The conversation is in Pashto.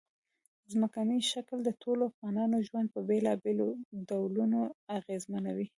ځمکنی شکل د ټولو افغانانو ژوند په بېلابېلو ډولونو اغېزمنوي.